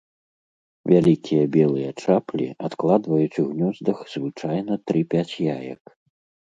Вялікія белыя чаплі адкладваюць у гнёздах звычайна тры-пяць яек.